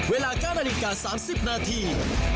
เวลา๙นาฬิกา๓๐นาที